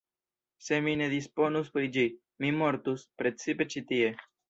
Se mi ne disponus pri ĝi, mi mortus, precipe ĉi tie.